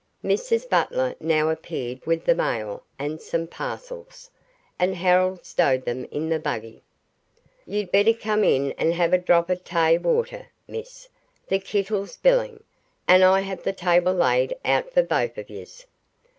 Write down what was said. Mrs Butler now appeared with the mail and some parcels, and Harold stowed them in the buggy. "You'd better come in an' 'ave a drop of tay warter, miss, the kittle's bilin'; and I have the table laid out for both of yez."